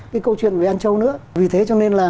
cái câu chuyện về an châu nữa vì thế cho nên là